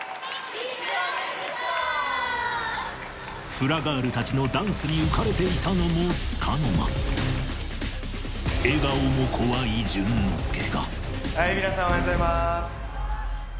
フラガールたちのダンスに浮かれていたのもつかの間皆さんおはようございます。